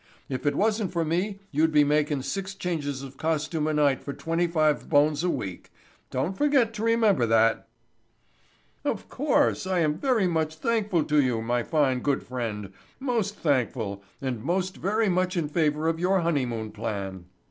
If it wasn't for me you'd be makin' six changes of costume a night for twenty five bones a week. Don't forget to remember that." "Of course I am very much thankful to you, my fine, good friend, most thankful and most very much in favor of your honeymoon plan."